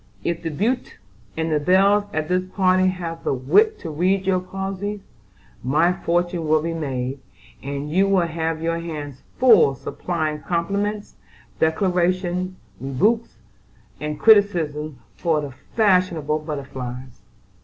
"If the beaux and belles at this party have the wit to read your posies, my fortune will be made, and you will have your hands full supplying compliments, declarations, rebukes, and criticisms for the fashionable butterflies.